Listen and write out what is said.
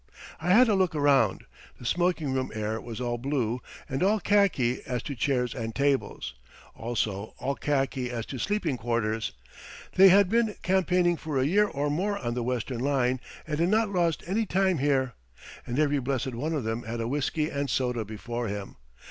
I had a look around. The smoking room air was all blue, and all khaki as to chairs and tables. Also all khaki as to sleeping quarters. They had been campaigning for a year or more on the western line, and had not lost any time here. And every blessed one of them had a whiskey and soda before him.